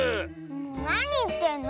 なにいってんの？